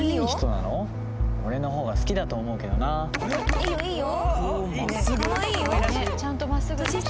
いいよいいよ。